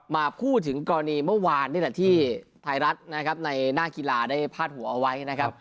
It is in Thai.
มาพูดถึงกรณีเมื่อวานที่ไทยรัฐในหน้ากีฬาได้พาดหัวเอาไว้